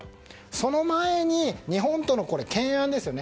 その前に日本との懸案ですよね。